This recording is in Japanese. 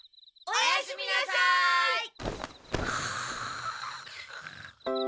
おやすみなさい！